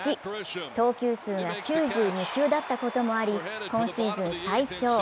投球数が９２球だったこともあり、今シーズン最長。